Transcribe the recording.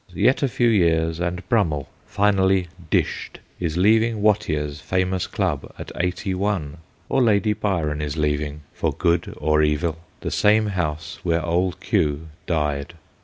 Yet a few years and Brummell, finally ' dished,' is leaving Watier's famous club at 81, or Lady Byron is leaving, for good or evil, the same house where ' old Q.' died.